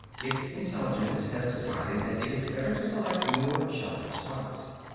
Its intelligence has decided that it is better to select more sheltered spots.